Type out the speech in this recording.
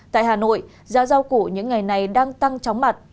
tại hà nội giá rau củ những ngày này đang tăng chóng mặt